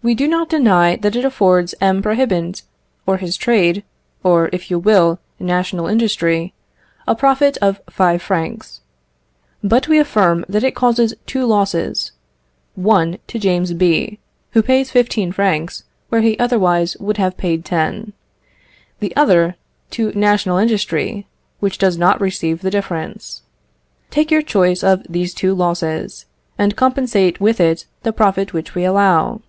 We do not deny that it affords M. Prohibant, or his trade, or, if you will, national industry, a profit of five francs. But we affirm that it causes two losses, one to James B., who pays fifteen francs where he otherwise would have paid ten; the other to national industry, which does not receive the difference. Take your choice of these two losses, and compensate with it the profit which we allow.